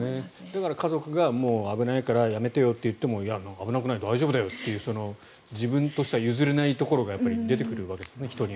だから、家族がもう危ないからやめてよと言ってもいや、危なくない大丈夫だよっていう自分としては譲れないところが人によっては出てくるわけですよね。